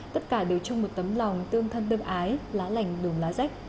tất cả đều trong một tấm lòng tương thân tương ái lá lành đồng lá rách